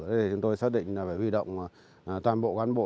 thì chúng tôi xác định là phải huy động toàn bộ quán bộ